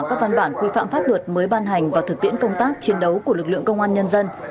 các văn bản quy phạm pháp luật mới ban hành vào thực tiễn công tác chiến đấu của lực lượng công an nhân dân